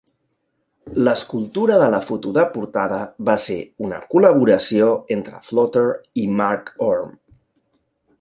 L'escultura de la foto de portada va ser una col·laboració entre Floater i Mark Orme.